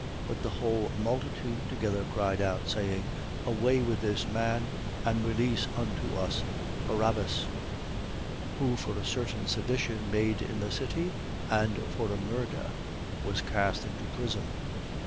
23:18. But the whole multitude together cried out, saying: Away with this man, and release unto us Barabbas: 23:19. Who, for a certain sedition made in the city and for a murder, was cast into prison.